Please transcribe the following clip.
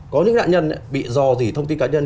có những nạn nhân bị dò dỉ thông tin cá nhân